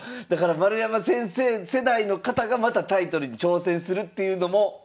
だから丸山先生世代の方がまたタイトルに挑戦するっていうのも。